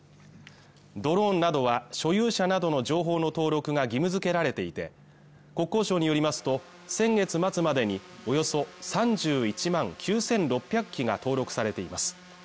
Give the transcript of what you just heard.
ドローンなどは所有者などの情報の登録が義務づけられていて国交省によりますと先月末までにおよそ３１万９６００機が登録されています